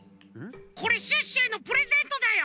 これシュッシュへのプレゼントだよ。